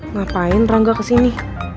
ngapain ranga kesini